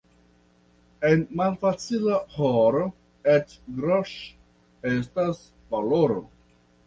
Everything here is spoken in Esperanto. En malfacila horo eĉ groŝ' estas valoro.